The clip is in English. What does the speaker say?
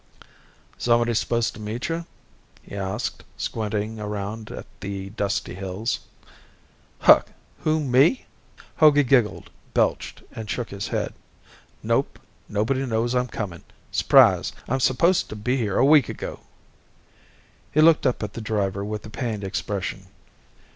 "Somebody supposed to meet you?" he asked, squinting around at the dusty hills. "Huk! who, me?" Hogey giggled, belched, and shook his head. "Nope. Nobody knows I'm coming. S'prise. I'm supposed to be here a week ago." He looked up at the driver with a pained expression.